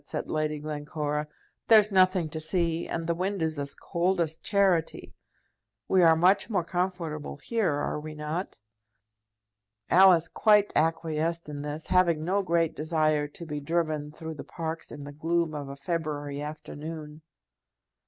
said Lady Glencora. "There's nothing to see, and the wind is as cold as charity. We are much more comfortable here; are we not?" Alice quite acquiesced in this, having no great desire to be driven through the parks in the gloom of a February afternoon.